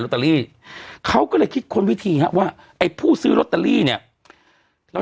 ตเตอรี่เขาก็เลยคิดค้นวิธีฮะว่าไอ้ผู้ซื้อลอตเตอรี่เนี่ยเรา